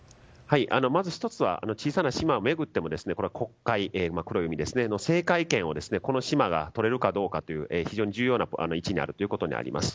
まず１つは小さな島を巡っても黒海の制海権をこの島がとれるかどうかという非常に重要な位置にあるということがあります。